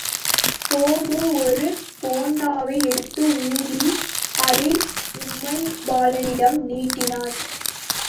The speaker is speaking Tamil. கோபு ஒரு போண்டாவை எடுத்து ஊதி, அதை உமைபாலனிடம் நீட்டினான்.